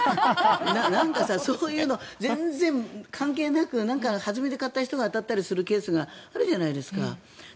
なんかそういうの全然関係なく弾みで買った人が当たったりするケースがあるじゃないですか。